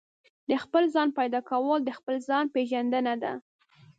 د خپل ځان پيدا کول د خپل ځان پېژندنه ده.